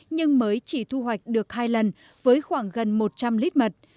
nhưng mới chỉ thu hoạch được hai lần với khoảng gần một trăm linh lít mật